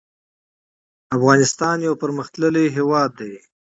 افغانستان يو پرمختللی هيواد ده